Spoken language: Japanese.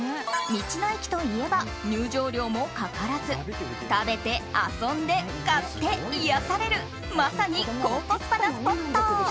道の駅といえば入場料もかからず食べて遊んで買って癒やされるまさに高コスパなスポット。